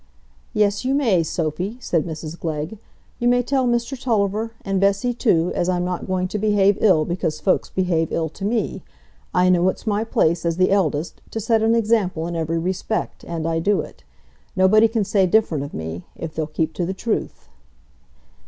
"Yes, you may, Sophy," said Mrs Glegg; "you may tell Mr Tulliver, and Bessy too, as I'm not going to behave ill because folks behave ill to me; I know it's my place, as the eldest, to set an example in every respect, and I do it. Nobody can say different of me, if they'll keep to the truth."